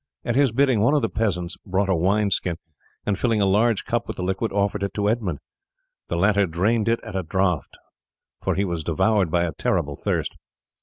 At his bidding one of the peasants brought a wine skin, and filling a large cup with the liquid, offered it to Edmund. The latter drained it at a draught, for he was devoured by a terrible thirst.